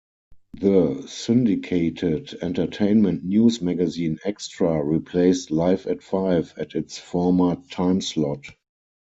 The syndicated entertainment news magazine "Extra" replaced "Live at Five" at its former timeslot.